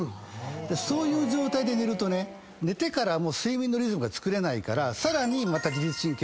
そういう状態で寝るとね寝てからも睡眠のリズムがつくれないからさらにまた自律神経が疲れる。